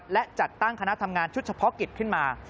และจัดตั้งคณะทำงานชุดเฉพาะกิจขึ้นมา